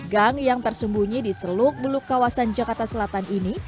gang yang tersembunyi di seluk beluk kawasan jakarta selatan ini